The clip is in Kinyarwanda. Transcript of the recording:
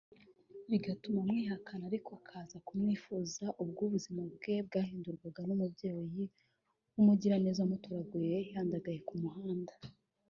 bigatuma amwihakana ariko akaza kumwifuza ubwo ubuzima bwe bwahindurwaga n’umubyeyi w’umugiraneza wamutoraguye yandagaye ku muhanda